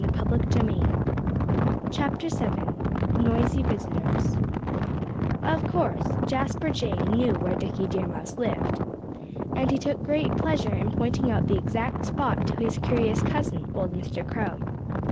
VII NOISY VISITORS Of course Jasper Jay knew where Dickie Deer Mouse lived. And he took great pleasure in pointing out the exact spot to his curious cousin, old Mr. Crow.